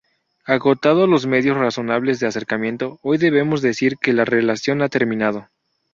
Agotados los medios razonables de acercamiento, hoy debemos decir que la relación ha terminado.